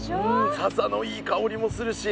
笹のいい香りもするし。